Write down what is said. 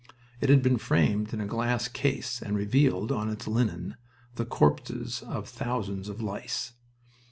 It had been framed in a glass case, and revealed, on its linen, the corpses of thousands of lice.